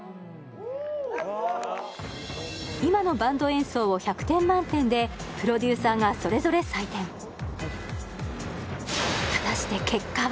今のバンド演奏を１００点満点でプロデューサーがそれぞれ採点・おー！